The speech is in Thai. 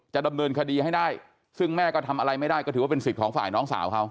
ดำเนินคดีให้ได้ซึ่งแม่ก็ทำอะไรไม่ได้ก็ถือว่าเป็นสิทธิ์ของฝ่ายน้องสาวเขา